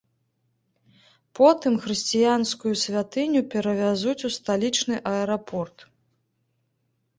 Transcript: Потым хрысціянскую святыню перавязуць у сталічны аэрапорт.